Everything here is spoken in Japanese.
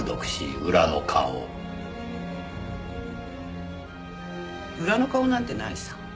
裏の顔なんてないさ。